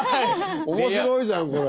面白いじゃんこれ。